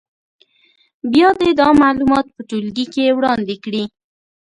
بیا دې دا معلومات په ټولګي کې وړاندې کړي.